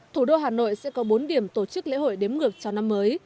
thủ đô hà nội sẽ có bốn điểm tổ chức lễ hội đếm ngược chào năm mới